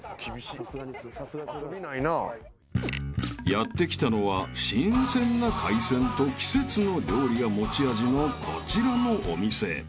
［やって来たのは新鮮な海鮮と季節の料理が持ち味のこちらのお店］